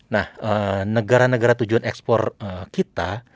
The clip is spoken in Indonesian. nah negara negara tujuan ekspor kita